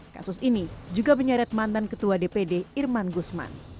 kasus ini juga menyeret mantan ketua dpd irman gusman